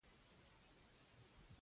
هارون وویل: نیمه بادشاهي ورکووم.